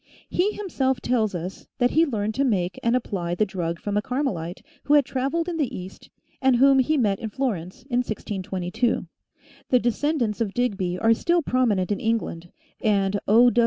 He himself tells us that he learned to make and apply the drug from a Carmelite, who had traveled in the east, and whom he met in Florence, in 1622. The descendants of Digby are still prominent in England, and O.